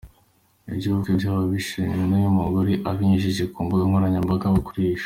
Iby’ubukwe bwabo byahishuwe n’uyu mugore abinyujije ku mbuga nkoranyambaga akoresha.